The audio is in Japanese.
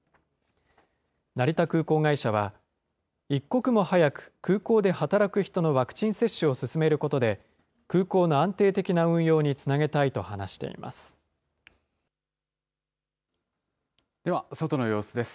成田空港会社は、一刻も早く空港で働く人のワクチン接種を進めることで、空港の安定的な運用につなげたいと話しています。